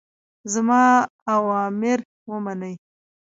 زما اوامر ومنئ.